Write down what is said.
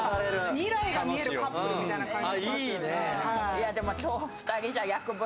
未来が見えるカップルみたいな感じ。